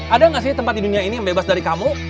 ada nggak sih tempat di dunia ini yang bebas dari kamu